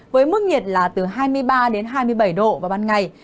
với mức nhiệt là từ hai mươi ba đến hai mươi bảy độ vào ban ngày